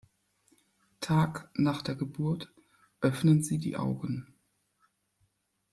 Tag nach der Geburt öffnen sie die Augen.